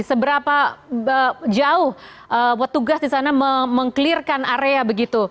seberapa jauh tugas di sana mengkelirkan area